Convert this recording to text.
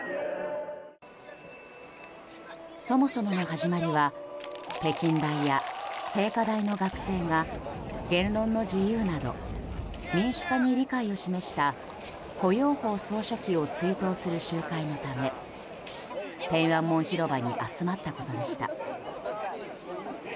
そもそもの始まりは北京大や清華大の学生が言論の自由など民主化に理解を示した胡耀邦総書記を追悼する集会のため天安門広場に集まったことでした。